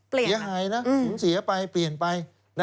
เปลี่ยนน่ะเสียไปเปลี่ยนเลย